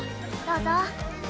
どうぞ。